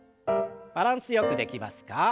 バランスよくできますか？